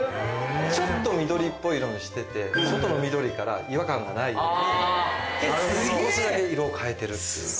ちょっと緑っぽい色にしてて外の緑から違和感がないように少しだけ色を変えてるっていう。